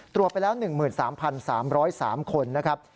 ตรวจไปแล้ว๑๓๓๐๓คนนะครับ